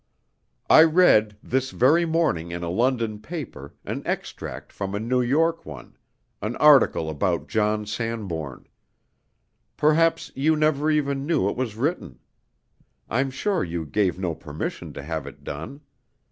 "I read this very morning in a London paper an extract from a New York one an article about John Sanbourne. Perhaps you never even knew it was written? I'm sure you gave no permission to have it done.